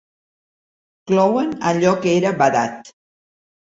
Clouen allò que era badat.